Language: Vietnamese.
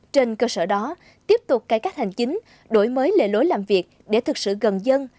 trên cơ sở đó tiếp tục cải cách hành chính đổi mới lề lối làm việc để thực sự gần dân